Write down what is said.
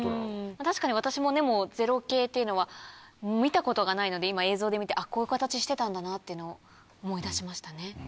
確かに私も０系っていうのは見たことがないので今映像で見てあっこういう形してたんだなっていうのを思い出しましたね。